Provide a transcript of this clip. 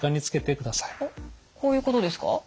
あっこういうことですか？